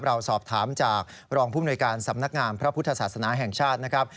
เราสอบถามจากรองภูมิหน่วยการสำนักงามพระพุทธศาสนาแห่งชาตินะครับ